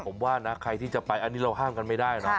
ผมว่านะใครที่จะไปอันนี้เราห้ามกันไม่ได้เนาะ